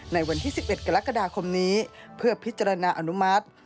ในวันที่๑๑กรกฎาคมนี้เพื่อพิจารณาอนุมัติ